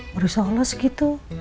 berusaha olos gitu